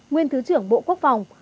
nguyên thứ trưởng bộ quốc phòng